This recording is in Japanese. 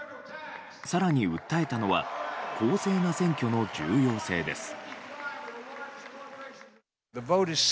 更に訴えたのは公正な選挙の重要性です。